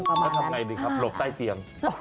ก็ทำอย่างไรดีครับหลบใต้เตียง